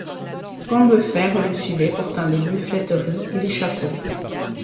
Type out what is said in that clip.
Combeferre le suivait portant les buffleteries et les shakos.